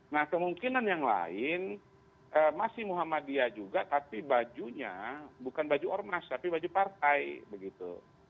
nah kemungkinan yang lain masih muhammadiyah juga tapi bajunya bukan baju ormas tapi baju partai begitu